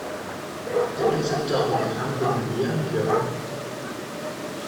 There is a dog humping a young girl.